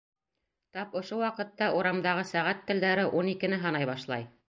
Тап ошо ваҡытта урамдағы сәғәт телдәре ун икене һанай башланы.